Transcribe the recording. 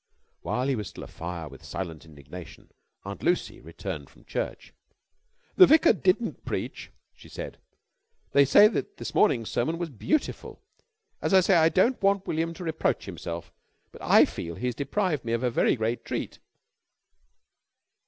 While he was still afire with silent indignation Aunt Lucy returned from church. "The vicar didn't preach," she said. "They say that this morning's sermon was beautiful. As I say, I don't want William to reproach himself, but I feel that he has deprived me of a very great treat."